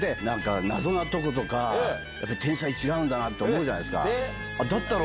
なんか謎なとことか、やっぱ天才は違うんだなと思うじゃないですか。